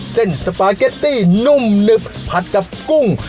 เส้นสปาเก็ตตี้หนุ่มนึบผัดกับกุ้ง